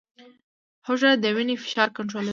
هوږه د وینې فشار کنټرولوي